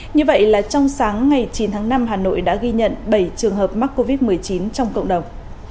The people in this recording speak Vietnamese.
như vậy là trong sáng ngày chín tháng năm hà nội đã ghi nhận bảy trường hợp mắc covid một mươi chín trong cộng đồng